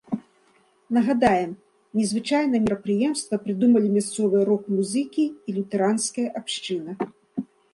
Нагадаем, незвычайнае мерапрыемства прыдумалі мясцовыя рок-музыкі і лютэранская абшчына.